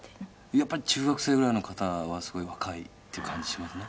やっぱり中学生ぐらいの方はすごい若いって感じしますね。